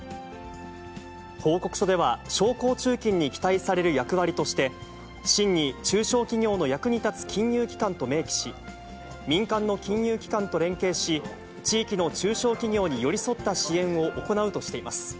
報告書では、商工中金に期待される役割として、真に中小企業の役に立つ金融機関と明記し、民間の金融機関と連携し、地域の中小企業に寄り添った支援を行うとしています。